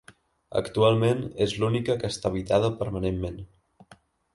Actualment és l'única que està habitada permanentment.